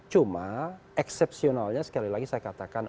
cuma eksepsionalnya sekali lagi saya katakan